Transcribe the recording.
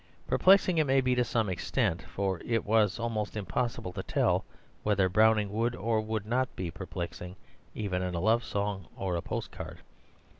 Perplexing it may be to some extent, for it was almost impossible to tell whether Browning would or would not be perplexing even in a love song or a post card.